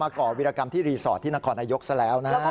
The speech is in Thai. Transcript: ก่อวิรากรรมที่รีสอร์ทที่นครนายกซะแล้วนะฮะ